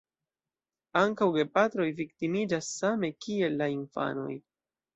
Ankaŭ gepatroj viktimiĝas same kiel la infanoj.